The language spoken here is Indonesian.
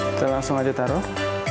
kita langsung aja taruh